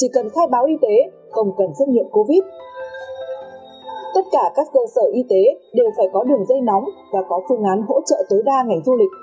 tất cả các cơ sở y tế đều phải có đường dây nóng và có phương án hỗ trợ tối đa ngành du lịch